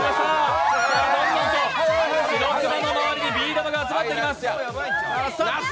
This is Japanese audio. どんどんしろくまの周りにビー玉が集まってきます。